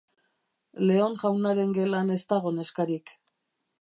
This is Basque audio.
Leon jaunaren gelan ez dago neskarik.